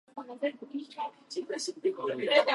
この料理はおいしいですね。